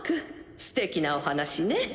すてきなお話ね。